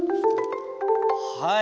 はい。